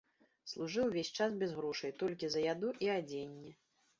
Служыў увесь час без грошай, толькі за яду і адзенне.